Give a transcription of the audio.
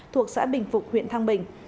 thuộc xã bình phục huyện thong bình